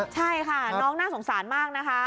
ใช่ค่ะน้องน่าสงสารมากนะคะ